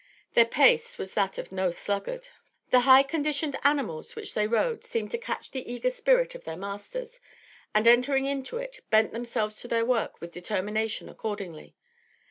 Their pace was that of no sluggard. The high conditioned animals which they rode seemed to catch the eager spirit of their masters, and entering into it, bent themselves to their work with determination accordingly.